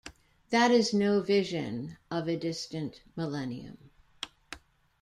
That is no vision of a distant millennium.